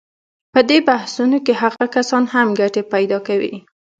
په دې بحثونو کې هغه کسان هم ګټې پیدا کوي.